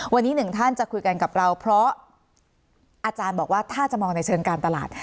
วันนี้หนึ่งท่านจะคุยกันกับเราเพราะอาจารย์บอกว่าถ้าจะมองในเชิงการตลาด